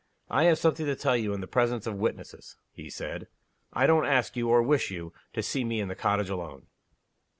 "I have something to tell you in the presence of witnesses," he said. "I don't ask you, or wish you, to see me in the cottage alone."